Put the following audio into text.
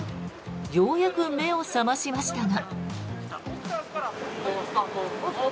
ようやく目を覚ましましたが。